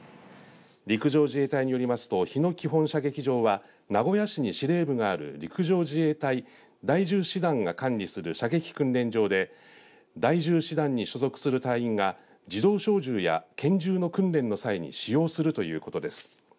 陸上自衛隊によりますと日野基本射撃場は名古屋市に司令部がある陸上自衛隊第１０師団が管理する射撃訓練場で第１０師団に所属する隊員が自動小銃や拳銃の訓練の際に使用するということです。